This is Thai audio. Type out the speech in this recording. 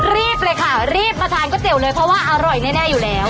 รีบเลยค่ะรีบมาทานก๋วยเตี๋ยวเลยเพราะว่าอร่อยแน่อยู่แล้ว